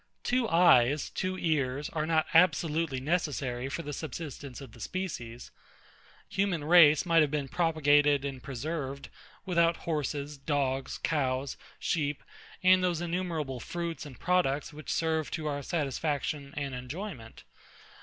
Two eyes, two ears, are not absolutely necessary for the subsistence of the species. Human race might have been propagated and preserved, without horses, dogs, cows, sheep, and those innumerable fruits and products which serve to our satisfaction and enjoyment.